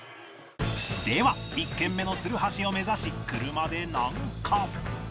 では１軒目の鶴橋を目指し車で南下